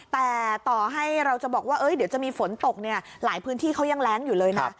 แต่ต่อให้เราจะบอกว่าเดี๋ยวจะมีฝนตกเนี่ยหลายพื้นที่เขายังแรงอยู่เลยนะ